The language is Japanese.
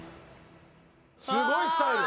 すごいスタイル！